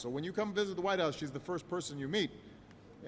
jadi ketika anda datang ke white house dia adalah orang pertama yang anda ketemu